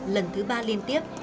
lần thứ ba liên tiếp